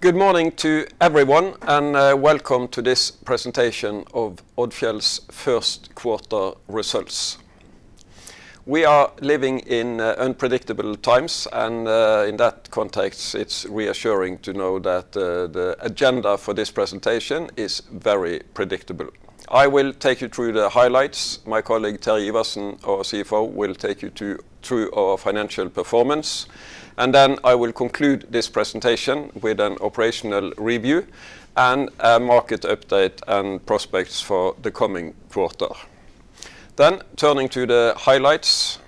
Good morning to everyone, and welcome to this presentation of Odfjell's first quarter results. We are living in unpredictable times, and in that context, it's reassuring to know that the agenda for this presentation is very predictable. I will take you through the highlights. My colleague Terje Iversen, our CFO, will take you through our financial performance, and then I will conclude this presentation with an operational review and a market update and prospects for the coming quarter. Turning to the highlights,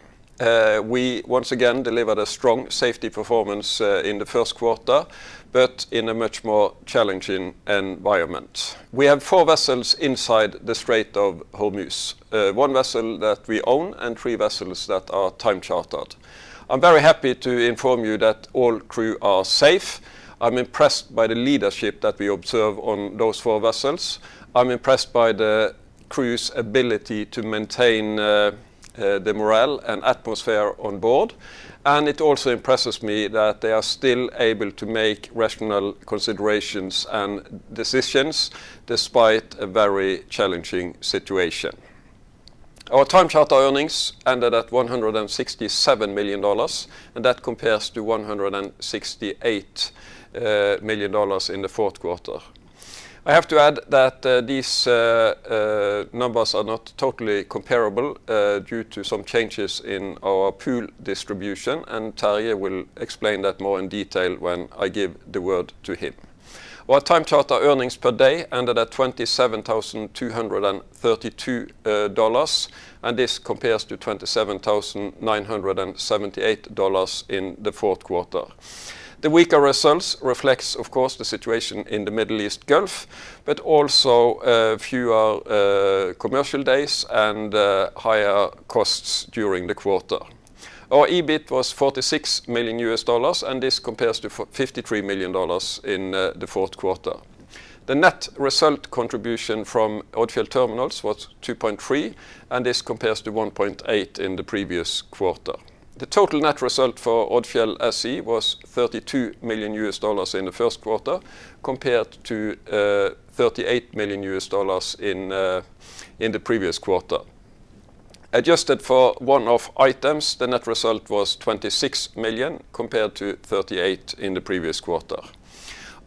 we once again delivered a strong safety performance in the first quarter, but in a much more challenging environment. We have four vessels inside the Strait of Hormuz, one vessel that we own and three vessels that are time chartered. I'm very happy to inform you that all crew are safe. I'm impressed by the leadership that we observe on those four vessels. I'm impressed by the crew's ability to maintain the morale and atmosphere on board, and it also impresses me that they are still able to make rational considerations and decisions despite a very challenging situation. Our time charter earnings ended at $167 million, and that compares to $168 million in the fourth quarter. I have to add that these numbers are not totally comparable due to some changes in our pool distribution, and Terje will explain that more in detail when I give the word to him. Our time charter earnings per day ended at $27,232, and this compares to $27,978 in the fourth quarter. The weaker results reflect, of course, the situation in the Middle East Gulf, but also, fewer commercial days and higher costs during the quarter. Our EBIT was $46 million, and this compares to $53 million in the fourth quarter. The net result contribution from Odfjell Terminals was $2.3 million, and this compares to $1.8 million in the previous quarter. The total net result for Odfjell SE was $32 million in the first quarter, compared to $38 million in the previous quarter. Adjusted for one-off items, the net result was $26 million compared to $38 million in the previous quarter.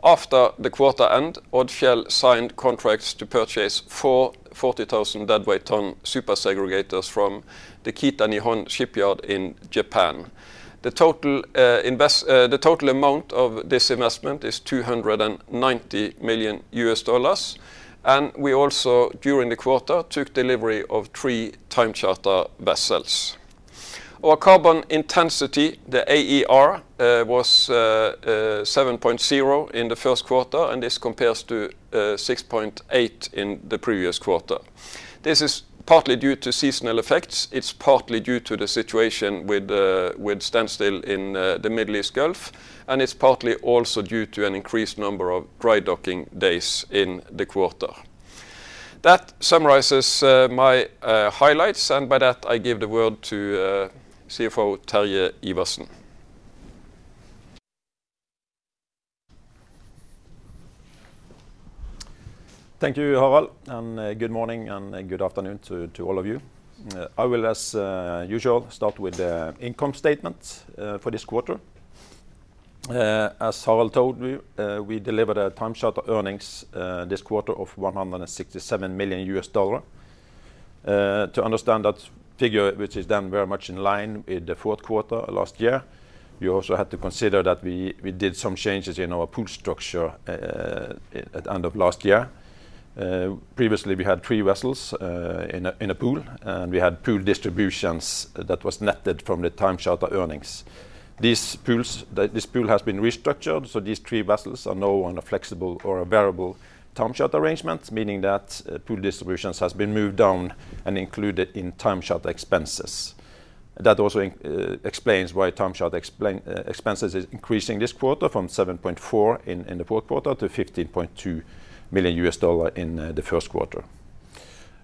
After the quarter end, Odfjell signed contracts to purchase four 40,000 deadweight ton super-segregators from the Kitanihon Shipbuilding in Japan. The total amount of this investment is $290 million. We also, during the quarter, took delivery of three time charter vessels. Our carbon intensity, the AER, was 7.0 in the first quarter. This compares to 6.8 in the previous quarter. This is partly due to seasonal effects. It's partly due to the situation with standstill in the Middle East Gulf. It's partly also due to an increased number of dry docking days in the quarter. That summarizes my highlights. By that I give the word to CFO Terje Iversen. Thank you, Harald. Good morning and good afternoon to all of you. I will, as usual, start with the income statements for this quarter. As Harald told you, we delivered time charter earnings this quarter of $167 million. To understand that figure, which is done very much in line with the fourth quarter last year, you also had to consider that we did some changes in our pool structure at end of last year. Previously we had three vessels in a pool, and we had pool distributions that was netted from the time charter earnings. These pools, this pool has been restructured, so these three vessels are now on a flexible or a variable time charter arrangement, meaning that pool distributions has been moved down and included in time charter expenses. That also explains why time charter expenses is increasing this quarter from $7.4 million in the fourth quarter to $15.2 million in the first quarter.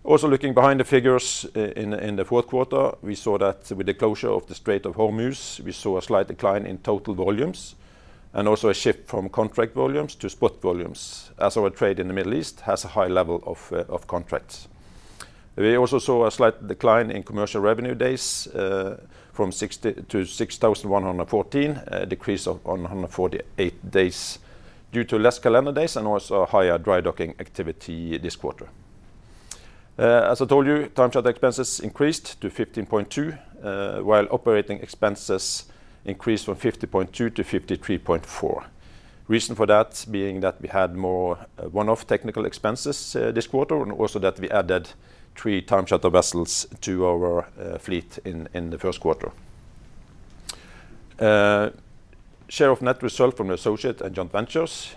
Also looking behind the figures in the fourth quarter, we saw that with the closure of the Strait of Hormuz, we saw a slight decline in total volumes and also a shift from contract volumes to spot volumes as our trade in the Middle East has a high level of contracts. We also saw a slight decline in commercial revenue days, from 60 to 6,114, a decrease of 148 days due to less calendar days and also a higher dry docking activity this quarter. As I told you, time charter expenses increased to $15.2 million, while operating expenses increased from $50.2 million to $53.4 million. Reason for that being that we had more one-off technical expenses this quarter and also that we added three time charter vessels to our fleet in the first quarter. Share of net result from the associate and joint ventures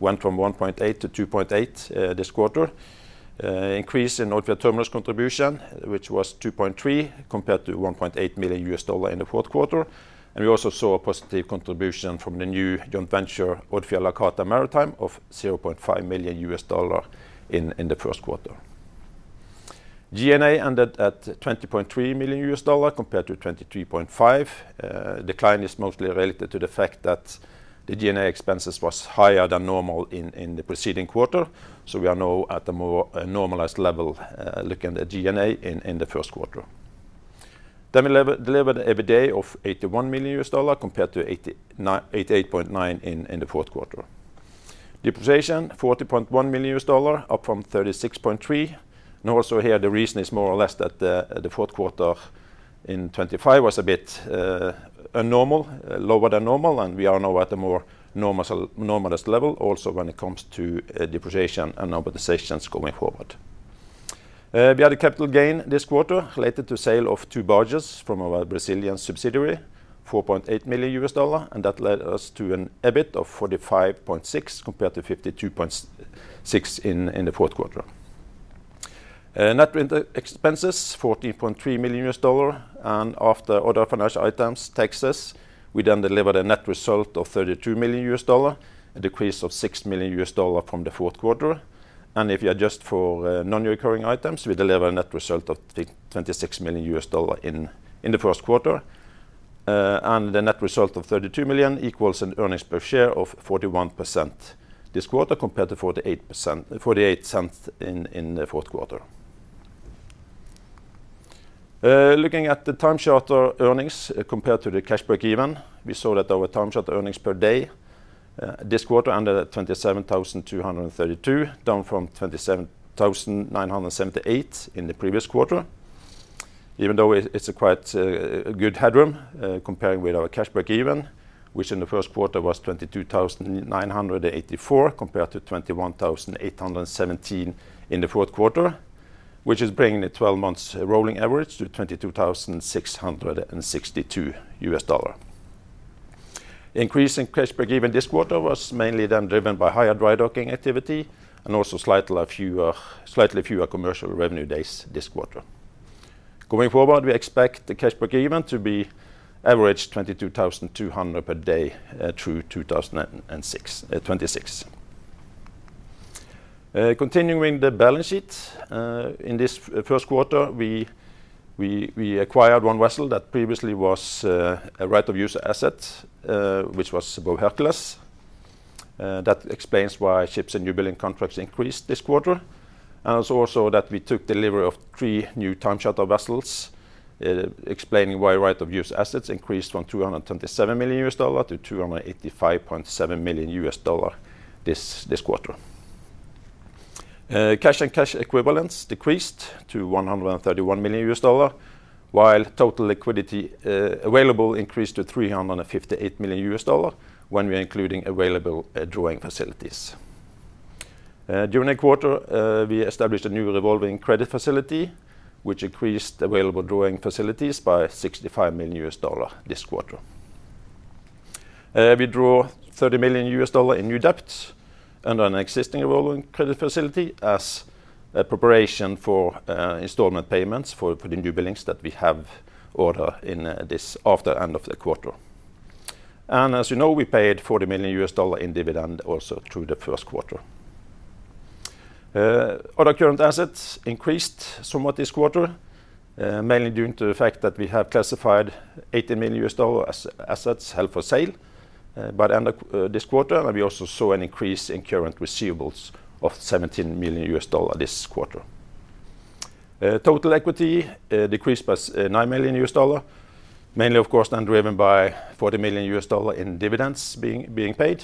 went from $1.8 million to $2.8 million this quarter. Increase in Odfjell Terminals contribution, which was $2.3 million compared to $1.8 million in the fourth quarter, and we also saw a positive contribution from the new joint venture, Odfjell Hakata Maritime of $0.5 million in the first quarter. G&A ended at $20.3 million compared to $23.5 million. Decline is mostly related to the fact that the G&A expenses was higher than normal in the preceding quarter, so we are now at a more normalized level, looking at G&A in the first quarter. We delivered EBITDA of $81 million compared to $88.9 million in the fourth quarter. Depreciation $14.1 million, up from $36.3 million. Here, the reason is more or less that the fourth quarter in 2025 was a bit abnormal, lower than normal, and we are now at a more normalized level also when it comes to depreciation and amortizations going forward. We had a capital gain this quarter related to sale of two barges from our Brazilian subsidiary, $4.8 million, and that led us to an EBIT of $45.6 compared to $52.6 in the fourth quarter. Net inter-expenses, $14.3 million, after other financial items, taxes, we delivered a net result of $32 million, a decrease of $6 million from the fourth quarter. If you adjust for non-recurring items, we deliver a net result of $26 million in the first quarter. The net result of $32 million equals an earnings per share of 41% this quarter compared to $0.48 in the fourth quarter. Looking at the time charter earnings compared to the cash break-even, we saw that our time charter earnings per day this quarter ended at $27,232, down from $27,978 in the previous quarter. Even though it's a quite good headroom comparing with our cash break-even, which in the first quarter was $22,984 compared to $21,817 in the fourth quarter, which is bringing the 12 months rolling average to $22,662. Increase in cash break-even this quarter was mainly then driven by higher dry docking activity and also slightly fewer commercial revenue days this quarter. Going forward, we expect the cash break-even to be average $22,200 per day through 2026. Continuing the balance sheet, in this first quarter, we acquired one vessel that previously was a right-of-use asset, which was Bow Hercules. That explains why ships and new building contracts increased this quarter. It's also that we took delivery of three new time charter vessels, explaining why right-of-use asset increased from $227 million to $285.7 million this quarter. Cash and cash equivalents decreased to $131 million, while total liquidity available increased to $358 million when we are including available drawing facilities. During the quarter, we established a new revolving credit facility, which increased available drawing facilities by $65 million this quarter. We drew $30 million in new debt under an existing revolving credit facility as a preparation for installment payments for the new buildings that we have order after end of the quarter. As you know, we paid $40 million in dividend also through the first quarter. Other current assets increased somewhat this quarter, mainly due to the fact that we have classified $80 million as assets held for sale by the end of this quarter, and we also saw an increase in current receivables of $17 million this quarter. Total equity decreased by $9 million, mainly of course then driven by $40 million in dividends being paid,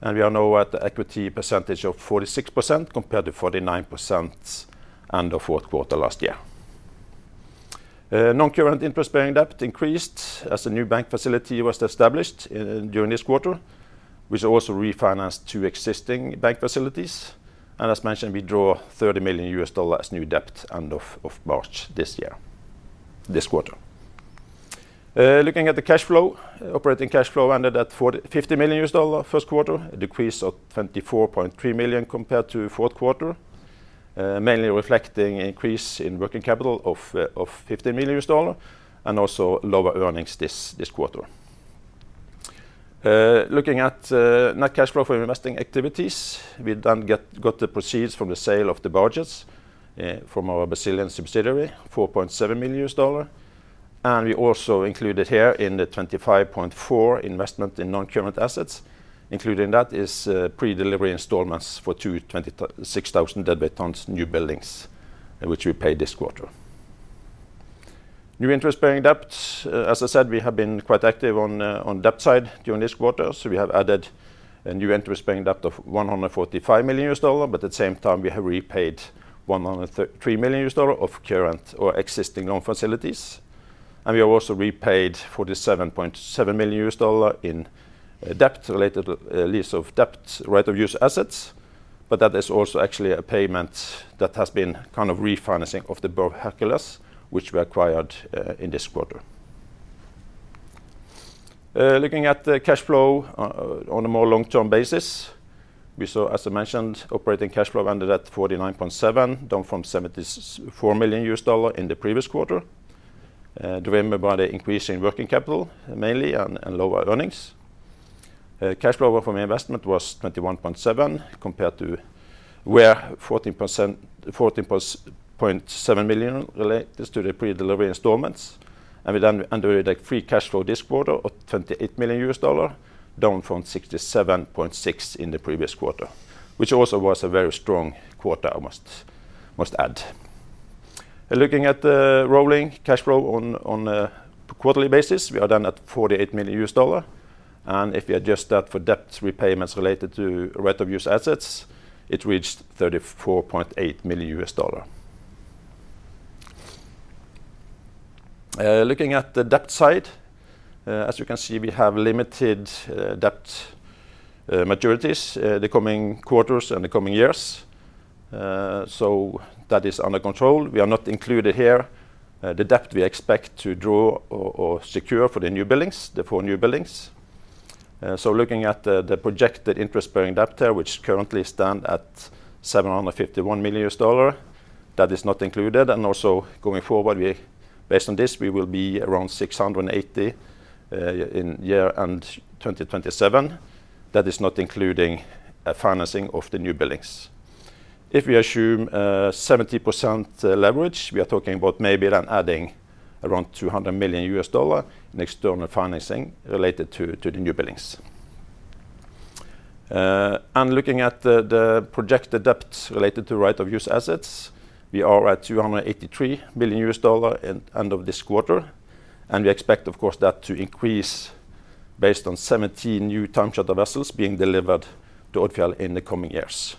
and we are now at the equity percentage of 46% compared to 49% end of fourth quarter last year. Non-current interest-bearing debt increased as a new bank facility was established during this quarter, which also refinanced two existing bank facilities. As mentioned, we draw $30 million as new debt end of March this quarter. Looking at the cash flow, operating cash flow ended at $50 million first quarter, a decrease of $24.3 million compared to fourth quarter, mainly reflecting increase in working capital of $50 million and also lower earnings this quarter. Looking at net cash flow from investing activities, we then got the proceeds from the sale of the barges from our Brazilian subsidiary, $4.7 million, and we also included here in the $25.4 investment in non-current assets. Included in that is pre-delivery installments for 26,000 deadweight tons new buildings, which we paid this quarter. New interest-bearing debt, as I said, we have been quite active on debt side during this quarter. We have added a new interest-bearing debt of $145 million, but at the same time, we have repaid $133 million of current or existing loan facilities. We have also repaid $47.7 million in debt related to lease of debt right-of-use asset, but that is also actually a payment that has been kind of refinancing of the Bow Hercules, which we acquired in this quarter. Looking at the cash flow on a more long-term basis, we saw, as I mentioned, operating cash flow ended at $49.7, down from $74 million in the previous quarter, driven by the increase in working capital mainly and lower earnings. Cash flow from investment was $21.7 compared to $14.7 million related to the pre-delivery installments. We then ended with, like, free cash flow this quarter of $28 million, down from $67.6 million in the previous quarter, which also was a very strong quarter I must add. Looking at the rolling cash flow on a quarterly basis, we are then at $48 million, and if you adjust that for debt repayments related to right-of-use assets, it reached $34.8 million. Looking at the debt side, as you can see, we have limited debt maturities the coming quarters and the coming years. That is under control. We have not included here the debt we expect to draw or secure for the new buildings, the four new buildings. Looking at the projected interest-bearing debt here, which currently stand at $751 million, that is not included. Also going forward, based on this, we will be around $680 million in year end 2027. That is not including financing of the new buildings. If we assume 70% leverage, we are talking about maybe then adding around $200 million in external financing related to the new buildings. Looking at the projected debt related to right-of-use assets, we are at $283 million in end of this quarter, and we expect, of course, that to increase based on 17 new time charter vessels being delivered to Odfjell in the coming years.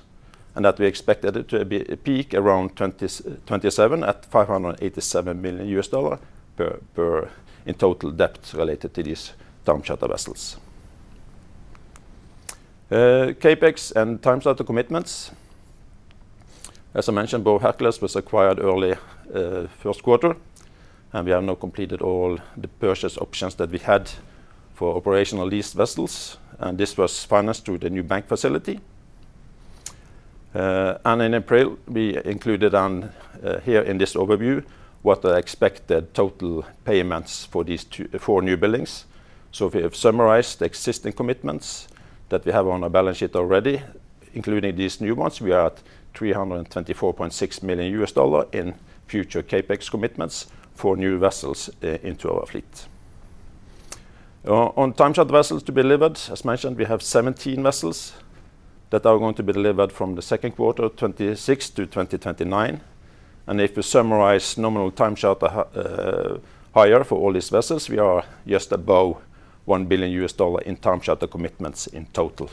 That we expect it to be peak around 2027 at $587 million in total debt related to these time charter vessels. CapEx and time charter commitments. As I mentioned, Bow Hercules was acquired early first quarter, we have now completed all the purchase options that we had for operational leased vessels, this was financed through the new bank facility. In April, we included on here in this overview what the expected total payments for these four new buildings. We have summarized the existing commitments that we have on our balance sheet already. Including these new ones, we are at $324.6 million in future CapEx commitments for new vessels into our fleet. On time charter vessels to be delivered, as mentioned, we have 17 vessels that are going to be delivered from the second quarter of 2026 to 2029. If we summarize nominal time charter hire for all these vessels, we are just above $1 billion in time charter commitments in total.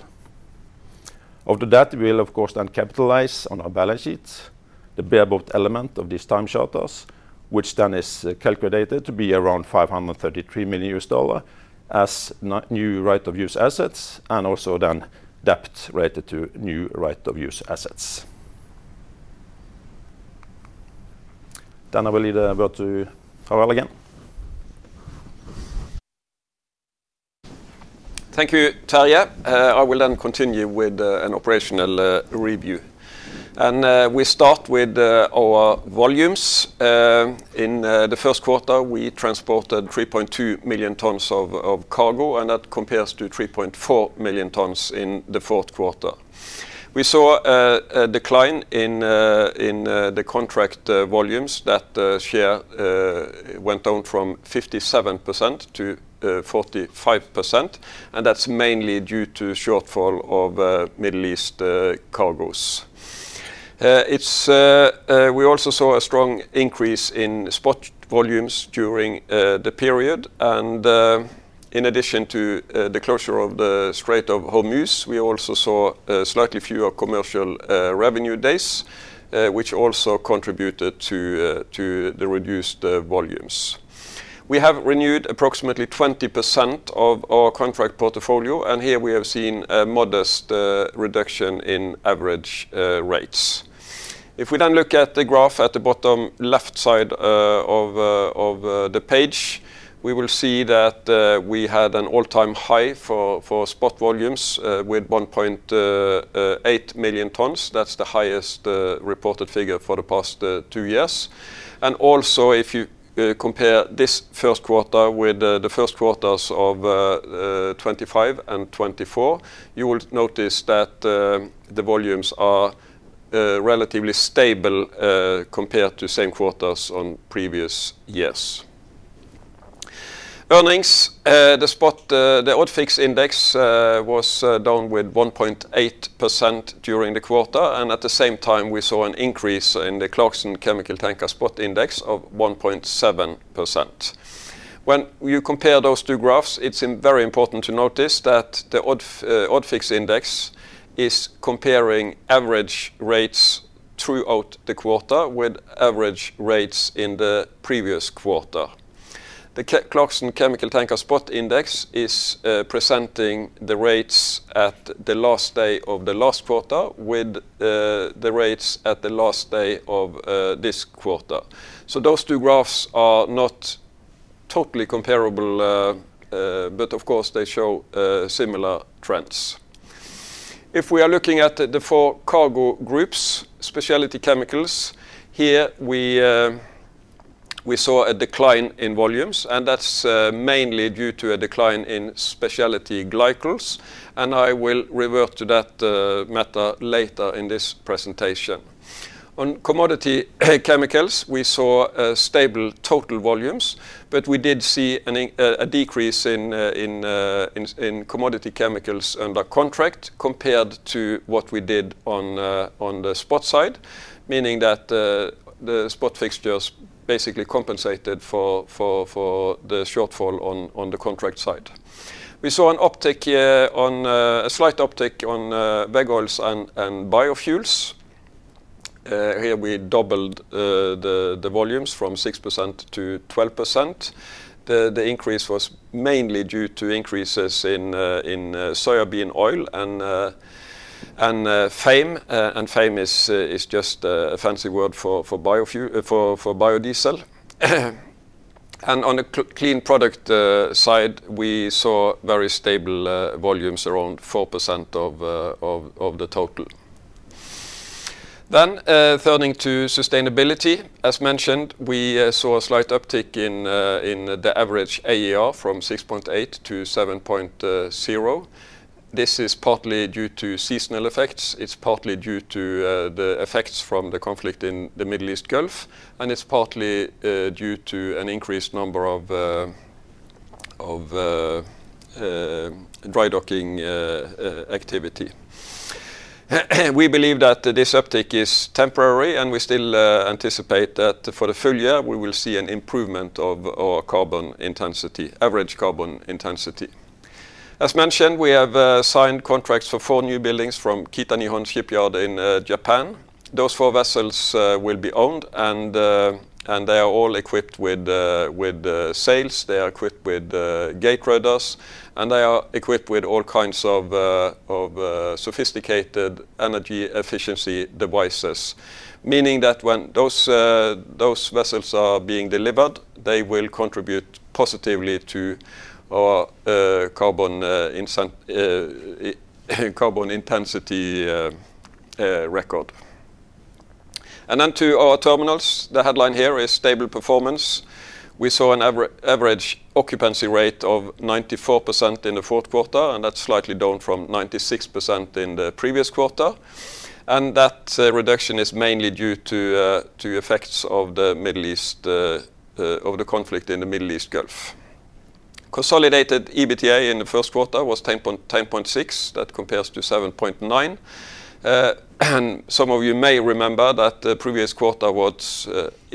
After that, we will of course then capitalize on our balance sheets the bareboat element of these time charters, which then is calculated to be around $533 million as new right-of-use assets, and also then debt related to new right-of-use assets. I will leave the word to Harald again. Thank you, Terje. I will continue with an operational review. We start with our volumes. In the first quarter, we transported 3.2 million tons of cargo, and that compares to 3.4 million tons in the fourth quarter. We saw a decline in the contract volumes. That share went down from 57% to 45%, and that's mainly due to shortfall of Middle East cargoes. We also saw a strong increase in spot volumes during the period. In addition to the closure of the Strait of Hormuz, we also saw slightly fewer commercial revenue days, which also contributed to the reduced volumes. We have renewed approximately 20% of our contract portfolio, and here we have seen a modest reduction in average rates. If we look at the graph at the bottom left side of the page, we will see that we had an all-time high for spot volumes with 1.8 million tons. That's the highest reported figure for the past two years. Also, if you compare this first quarter with the first quarters of 2025 and 2024, you will notice that the volumes are relatively stable compared to same quarters on previous years. Earnings, the spot, the ODFIX index was down with 1.8% during the quarter. At the same time, we saw an increase in the Clarksons Chemical Tanker Spot Index of 1.7%. When you compare those two graphs, it's very important to notice that the ODFIX index is comparing average rates throughout the quarter with average rates in the previous quarter. The Clarksons Chemical Tanker Spot Index is presenting the rates at the last day of the last quarter with the rates at the last day of this quarter. Those two graphs are not totally comparable, but of course, they show similar trends. If we are looking at the four cargo groups, specialty chemicals, here we saw a decline in volumes, and that's mainly due to a decline in specialty glycols, and I will revert to that matter later in this presentation. On commodity chemicals, we saw stable total volumes, but we did see a decrease in commodity chemicals under contract compared to what we did on the spot side, meaning that the spot fixtures basically compensated for the shortfall on the contract side. We saw an uptick here on a, slight uptick on veg oils and biofuels. Here we doubled the volumes from 6% to 12%. The increase was mainly due to increases in soya bean oil and FAME, and FAME is just a fancy word for biodiesel. On a clean product side, we saw very stable volumes around 4% of the total. Turning to sustainability, as mentioned, we saw a slight uptick in the average AER from 6.8 to 7.0. This is partly due to seasonal effects. It's partly due to the effects from the conflict in the Middle East Gulf, and it's partly due to an increased number of dry docking activity. We believe that this uptick is temporary, and we still anticipate that for the full year, we will see an improvement of our carbon intensity, average carbon intensity. As mentioned, we have signed contracts for four new buildings from Kitanihon Shipbuilding in Japan. Those four vessels will be owned, and they are all equipped with sails. They are equipped with gate rudders, and they are equipped with all kinds of sophisticated energy efficiency devices, meaning that when those vessels are being delivered, they will contribute positively to our carbon intensity record. To our terminals, the headline here is stable performance. We saw an average occupancy rate of 94% in the fourth quarter, and that's slightly down from 96% in the previous quarter. That reduction is mainly due to effects of the Middle East, of the conflict in the Middle East Gulf. Consolidated EBITDA in the first quarter was $10.6 million. That compares to $7.9 million. Some of you may remember that the previous quarter was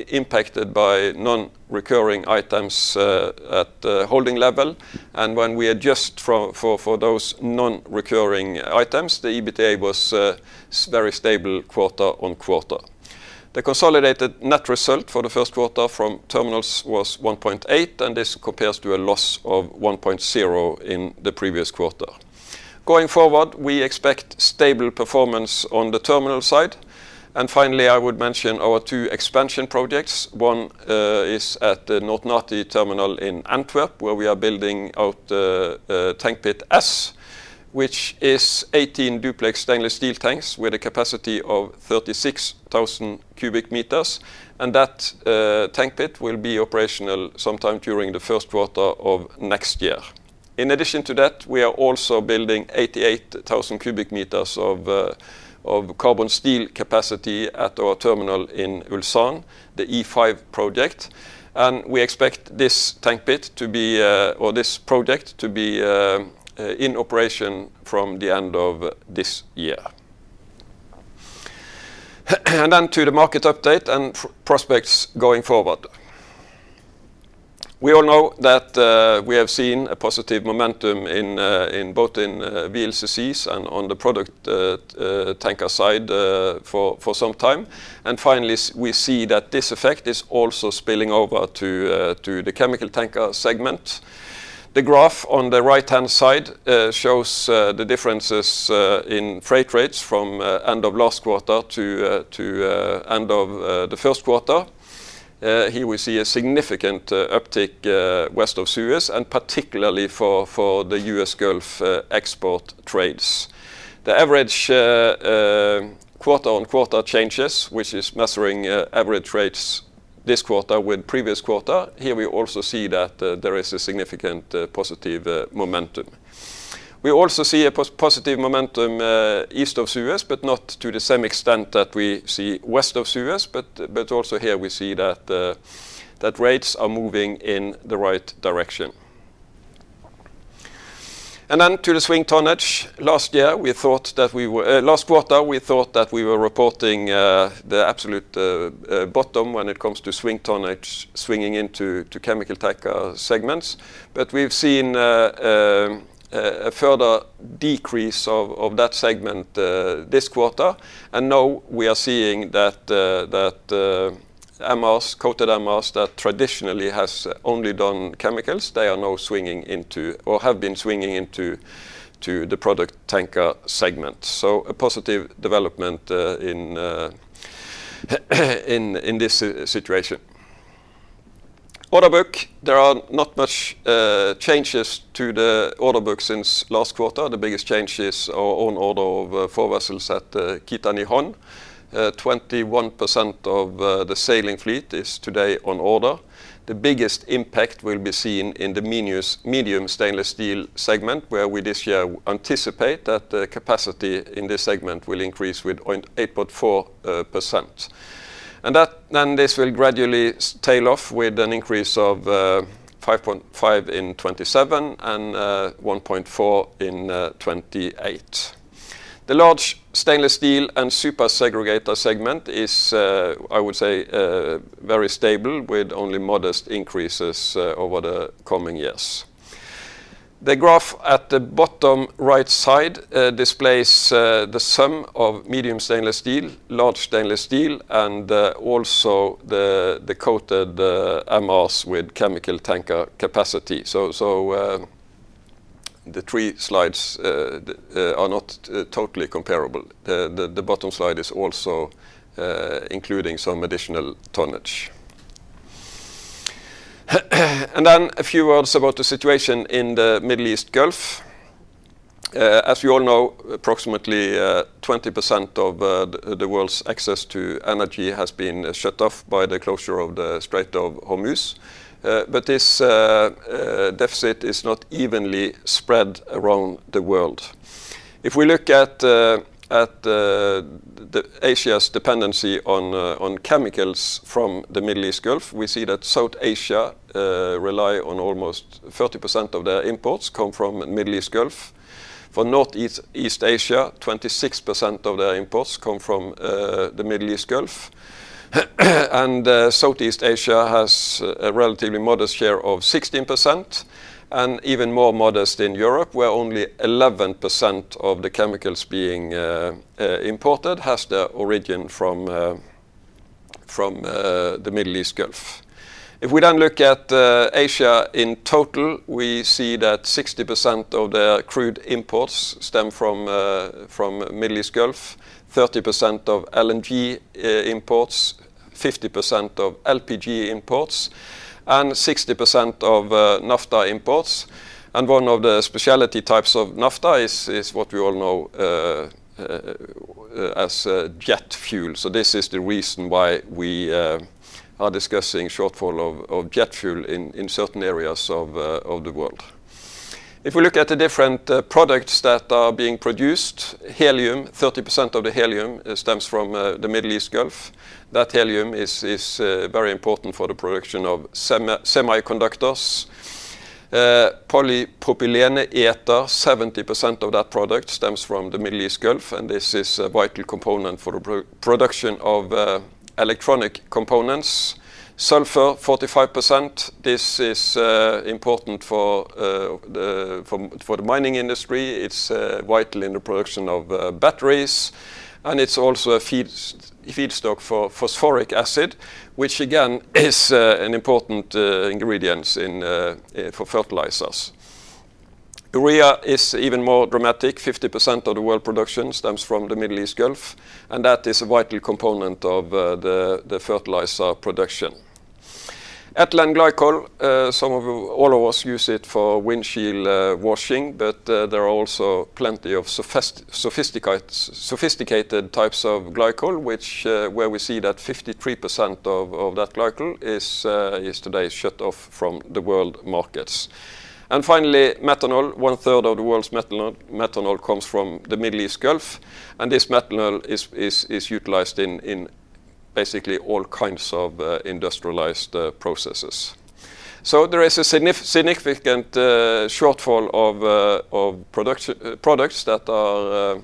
impacted by non-recurring items at holding level. When we adjust for those non-recurring items, the EBITDA was very stable quarter-on-quarter. The consolidated net result for the first quarter from terminals was $1.8 million. This compares to a loss of $1.0 million in the previous quarter. Going forward, we expect stable performance on the terminal side. Finally, I would mention our two expansion projects. One is at the Noord Natie terminal in Antwerp, where we are building out tank pit S, which is 18 duplex stainless steel tanks with a capacity of 36,000 cu m, and that tank pit will be operational sometime during the first quarter of next year. In addition to that, we are also building 88,000 cu m of carbon steel capacity at our terminal in Ulsan, the E5 project. We expect this tank pit to be or this project to be in operation from the end of this year. To the market update and prospects going forward. We all know that we have seen a positive momentum in both in VLCCs and on the product tanker side for some time. Finally, we see that this effect is also spilling over to the chemical tanker segment. The graph on the right-hand side shows the differences in freight rates from end of last quarter to end of the first quarter. Here we see a significant uptick West of Suez, and particularly for the U.S. Gulf export trades. The average quarter-on-quarter changes, which is measuring average rates this quarter with previous quarter, here we also see that there is a significant positive momentum. We also see a positive momentum East of Suez, but not to the same extent that we see West of Suez. Also here we see that rates are moving in the right direction. Then to the swing tonnage. Last year, we thought that we were, last quarter, we thought that we were reporting the absolute bottom when it comes to swing tonnage swinging into chemical tanker segments. We've seen a further decrease of that segment this quarter. Now we are seeing that MRs, coated MRs that traditionally has only done chemicals, they are now swinging into or have been swinging into the product tanker segment. A positive development in this situation. Order book, there are not much changes to the order book since last quarter. The biggest change is our own order of four vessels at Kitanihon. 21% of the sailing fleet is today on order. The biggest impact will be seen in the medium stainless steel segment, where we this year anticipate that the capacity in this segment will increase with 8.4%. Then this will gradually tail off with an increase of 5.5% in 2027 and 1.4% in 2028. The large stainless steel and super-segregators segment is, I would say, very stable with only modest increases over the coming years. The graph at the bottom right side displays the sum of medium stainless steel, large stainless steel, and also the coated MRs with chemical tanker capacity. The three slides are not totally comparable. The bottom slide is also including some additional tonnage. A few words about the situation in the Middle East Gulf. As you all know, approximately 20% of the world's access to energy has been shut off by the closure of the Strait of Hormuz. This deficit is not evenly spread around the world. If we look at Asia's dependency on chemicals from the Middle East Gulf, we see that South Asia rely on almost 30% of their imports come from Middle East Gulf. For Northeast Asia, 26% of their imports come from the Middle East Gulf. Southeast Asia has a relatively modest share of 16%, and even more modest in Europe, where only 11% of the chemicals being imported has their origin from the Middle East Gulf. We then look at Asia in total, we see that 60% of their crude imports stem from Middle East Gulf, 30% of LNG imports, 50% of LPG imports, and 60% of naphtha imports. One of the specialty types of naphtha is what we all know as jet fuel. This is the reason why we are discussing shortfall of jet fuel in certain areas of the world. If we look at the different products that are being produced, helium, 30% of the helium stems from the Middle East Gulf. That helium is very important for the production of semiconductors. Polypropylene ether, 70% of that product stems from the Middle East Gulf, and this is a vital component for the production of electronic components. Sulfur, 45%. This is important for the mining industry. It's vital in the production of batteries. It's also a feedstock for phosphoric acid, which again is an important ingredient for fertilizers. Urea is even more dramatic. 50% of the world production stems from the Middle East Gulf, and that is a vital component of the fertilizer production. Ethylene glycol, all of us use it for windshield washing, there are also plenty of sophisticated types of glycol, where we see that 53% of that glycol is today shut off from the world markets. Finally, methanol. One-third of the world's methanol comes from the Middle East Gulf, this methanol is utilized in basically all kinds of industrialized processes. There is a significant shortfall of products that are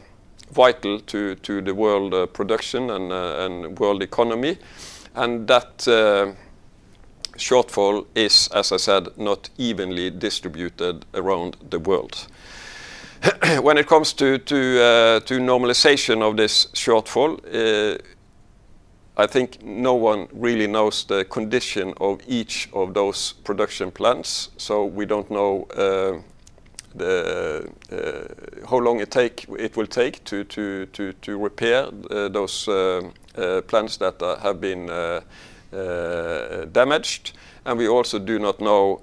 vital to the world production and world economy. That shortfall is, as I said, not evenly distributed around the world. When it comes to normalization of this shortfall, I think no one really knows the condition of each of those production plants. We don't know how long it will take to repair those plants that have been damaged. We also do not know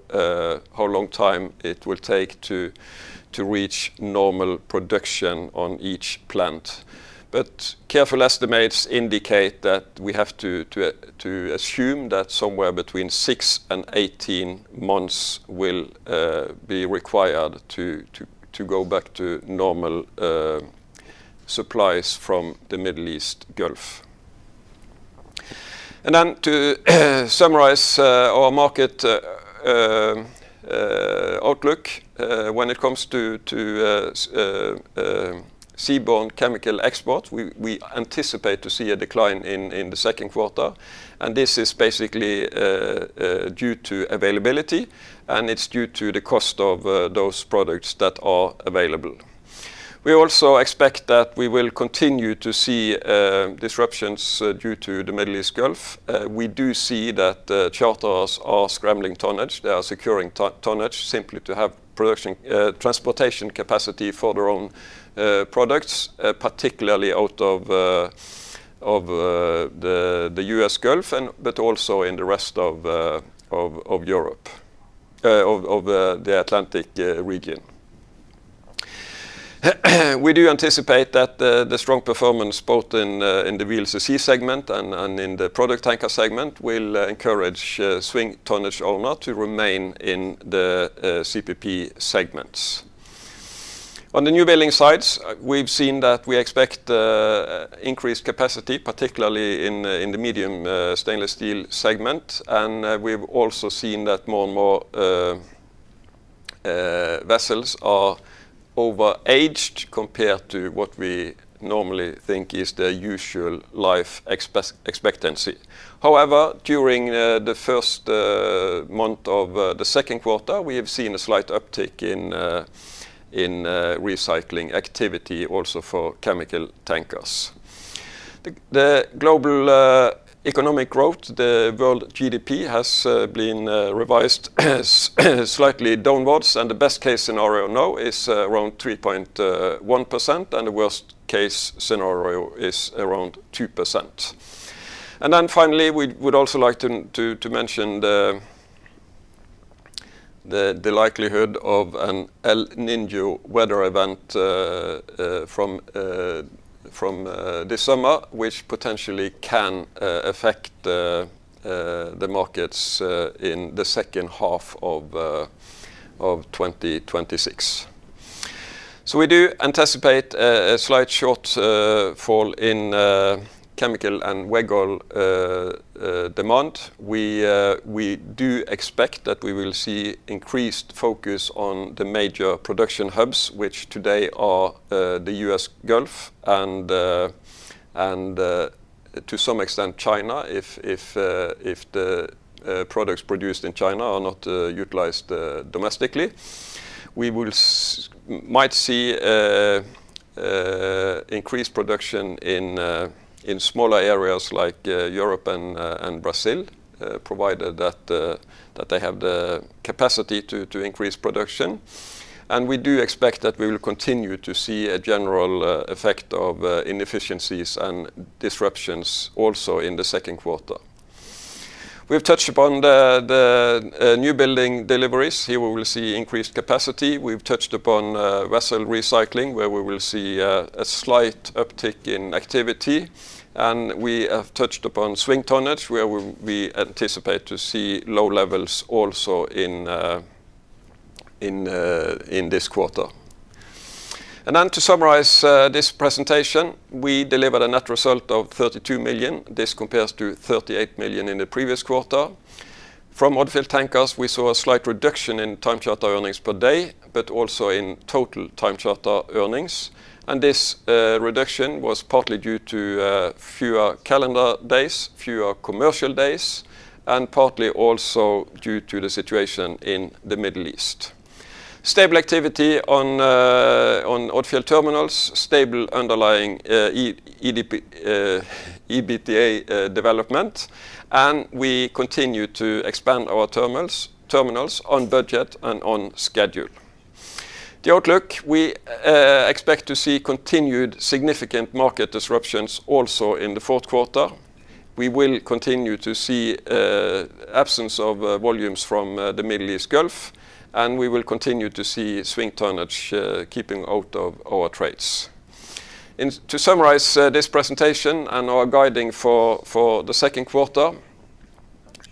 how long time it will take to reach normal production on each plant. Careful estimates indicate that we have to assume that somewhere between six and 18 months will be required to go back to normal supplies from the Middle East Gulf. To summarize our market outlook when it comes to seaborne chemical export, we anticipate to see a decline in the second quarter. This is basically due to availability, and it's due to the cost of those products that are available. We also expect that we will continue to see disruptions due to the Middle East Gulf. We do see that charters are scrambling tonnage. They are securing to-tonnage simply to have production transportation capacity for their own products, particularly out of the U.S. Gulf and, but also in the rest of Europe, of the Atlantic region. We do anticipate that the strong performance both in the VLCC segment and in the product tanker segment will encourage swing tonnage owner to remain in the CPP segments. On the newbuilding sides, we've seen that we expect increased capacity, particularly in the medium stainless steel segment. We've also seen that more and more vessels are overaged compared to what we normally think is the usual life expectancy. However, during the first month of the second quarter, we have seen a slight uptake in recycling activity also for chemical tankers. The global economic growth, the world GDP has been revised slightly downwards, and the best case scenario now is around 3.1%, and the worst case scenario is around 2%. Finally, we would also like to mention the likelihood of an El Niño weather event from this summer, which potentially can affect the markets in the second half of 2026. We do anticipate a slight shortfall in chemical and veg oil demand. We do expect that we will see increased focus on the major production hubs, which today are the U.S. Gulf and to some extent China if the products produced in China are not utilized domestically. We might see increased production in smaller areas like Europe and Brazil, provided that they have the capacity to increase production. We do expect that we will continue to see a general effect of inefficiencies and disruptions also in the second quarter. We've touched upon the newbuilding deliveries. Here we will see increased capacity. We've touched upon vessel recycling, where we will see a slight uptick in activity. We have touched upon swing tonnage, where we anticipate to see low levels also in this quarter. To summarize this presentation, we delivered a net result of $32 million. This compares to $38 million in the previous quarter. From Odfjell Tankers, we saw a slight reduction in time charter earnings per day, but also in total time charter earnings. This reduction was partly due to fewer calendar days, fewer commercial days, and partly also due to the situation in the Middle East. Stable activity on Odfjell Terminals, stable underlying EBITDA development. We continue to expand our terminals on budget and on schedule. The outlook, we expect to see continued significant market disruptions also in the fourth quarter. We will continue to see absence of volumes from the Middle East Gulf, and we will continue to see swing tonnage keeping out of our trades. To summarize this presentation and our guiding for the second quarter,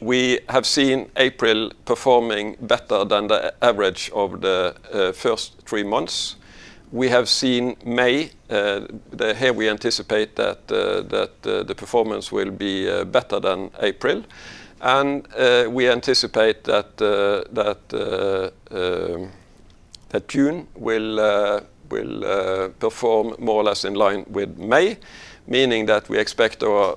we have seen April performing better than the average of the first three months. We have seen May, here we anticipate that the performance will be better than April. We anticipate that June will perform more or less in line with May, meaning that we expect our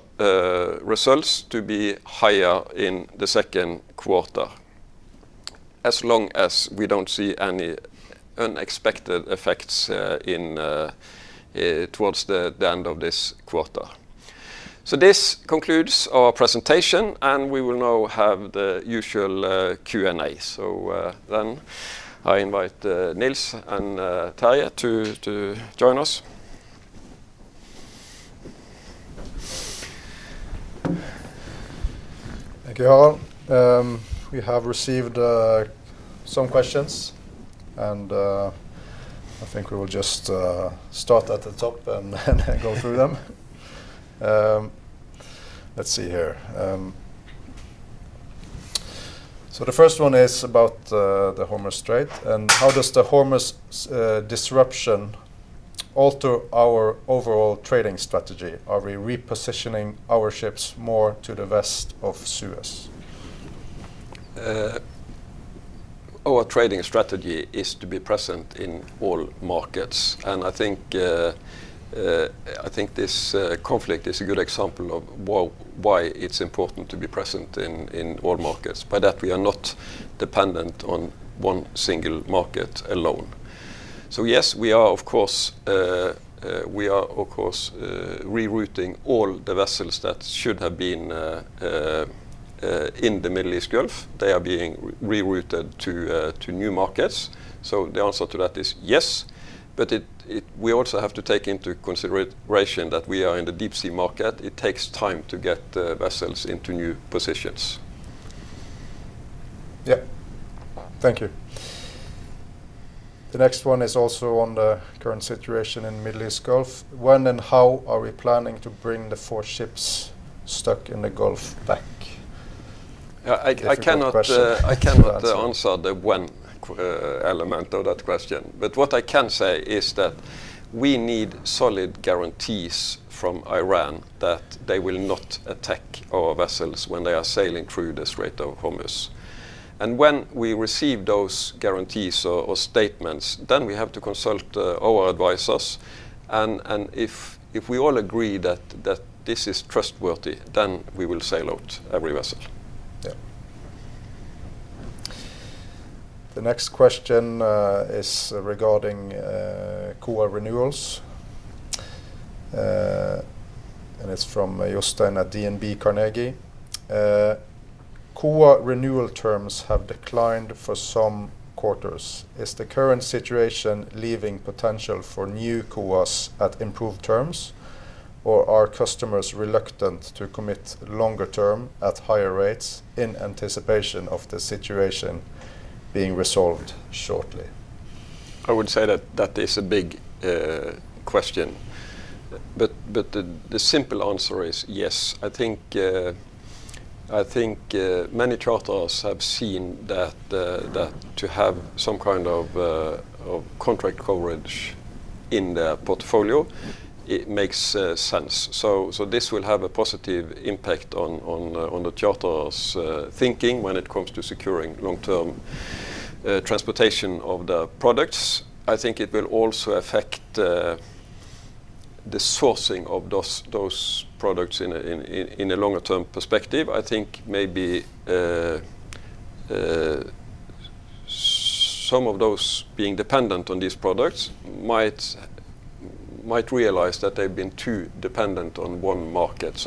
results to be higher in the second quarter as long as we don't see any unexpected effects towards the end of this quarter. This concludes our presentation, and we will now have the usual Q&A. Then I invite Nils and Terje to join us. Thank you all. We have received some questions. I think we will just start at the top and go through them. Let's see here. The first one is about the Hormuz Strait, how does the Hormuz disruption alter our overall trading strategy? Are we repositioning our ships more to the West of Suez? Our trading strategy is to be present in all markets. I think this conflict is a good example of why it's important to be present in all markets, by that we are not dependent on one single market alone. Yes, we are of course, we are of course rerouting all the vessels that should have been in the Middle East Gulf, they are being rerouted to new markets. The answer to that is yes, but we also have to take into consideration that we are in the deep sea market. It takes time to get the vessels into new positions. Yeah. Thank you. The next one is also on the current situation in Middle East Gulf. When and how are we planning to bring the four ships stuck in the Gulf back? Yeah, I cannot. Difficult question to answer. I cannot answer the when element of that question. What I can say is that we need solid guarantees from Iran that they will not attack our vessels when they are sailing through this Strait of Hormuz. When we receive those guarantees or statements, then we have to consult our advisors, and if we all agree that this is trustworthy, then we will sail out every vessel. Yeah. The next question is regarding COA renewals, and it's from Jostein at DNB Carnegie. COA renewal terms have declined for some quarters. Is the current situation leaving potential for new COAs at improved terms, or are customers reluctant to commit longer term at higher rates in anticipation of the situation being resolved shortly? I would say that that is a big question. The simple answer is yes. I think, I think many charterers have seen that to have some kind of contract coverage in their portfolio, it makes sense. This will have a positive impact on the charterer's thinking when it comes to securing long-term transportation of the products. I think it will also affect the sourcing of those products in a, in, in a longer term perspective. I think maybe some of those being dependent on these products might realize that they've been too dependent on one market.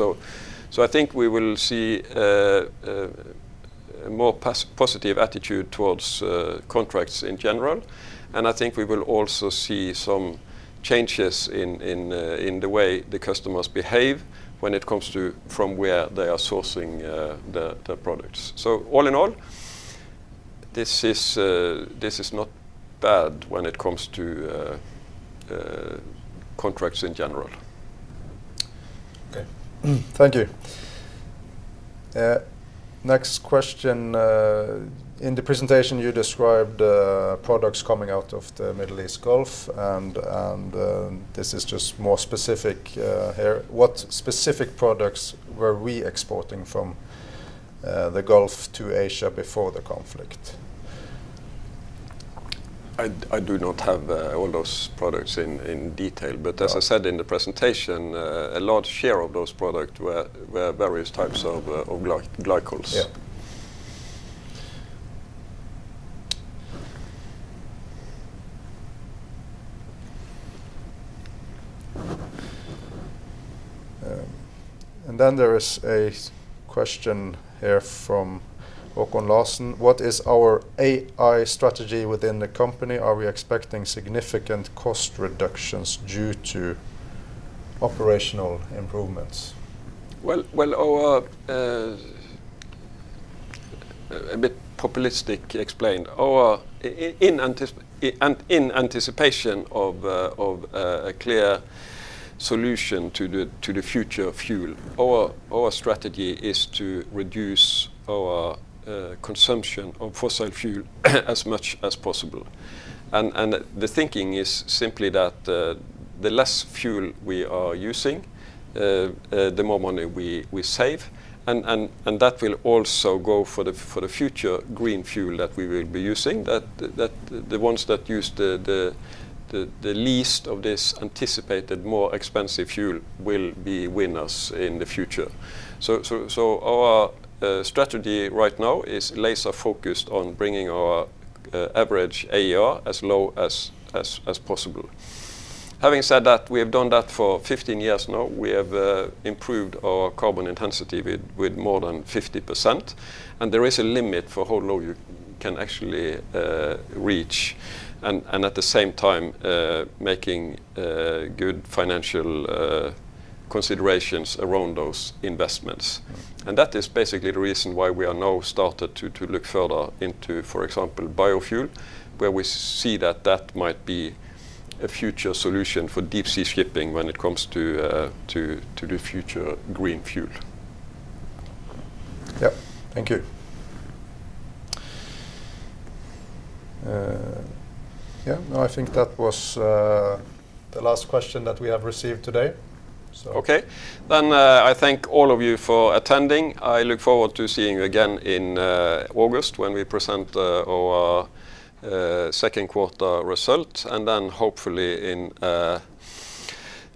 I think we will see a more positive attitude towards contracts in general. I think we will also see some changes in the way the customers behave when it comes to from where they are sourcing the products. All in all, this is not bad when it comes to contracts in general. Okay. Thank you. Next question, in the presentation you described products coming out of the Middle East Gulf, and this is just more specific here. What specific products were we exporting from the Gulf to Asia before the conflict? I do not have all those products in detail. As I said in the presentation, a large share of those products were various types of glycols. Yeah. There is a question here from [Hakan Larsen]. What is our AI strategy within the company? Are we expecting significant cost reductions due to operational improvements? Well, our, a bit populistic explained, and in anticipation of a clear solution to the future fuel, our strategy is to reduce our consumption of fossil fuel as much as possible. The thinking is simply that the less fuel we are using, the more money we save, and that will also go for the future green fuel that we will be using, that the ones that use the least of this anticipated more expensive fuel will be winners in the future. Our strategy right now is laser-focused on bringing our average AER as low as possible. Having said that, we have done that for 15 years now. We have improved our carbon intensity with more than 50%, and there is a limit for how low you can actually reach, and at the same time, making good financial considerations around those investments. That is basically the reason why we are now started to look further into, for example, biofuel, where we see that that might be a future solution for deep sea shipping when it comes to the future green fuel. Yeah. Thank you. Yeah, no, I think that was the last question that we have received today. Okay. I thank all of you for attending. I look forward to seeing you again in August, when we present our second quarter results, and then hopefully in a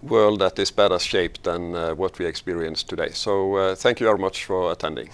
world that is better shape than what we experience today. Thank you very much for attending.